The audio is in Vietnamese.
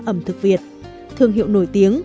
ẩm thực việt thương hiệu nổi tiếng